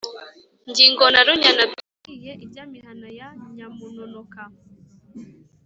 nkingo na runyana byahiye, irya mihana ya nyamunonoka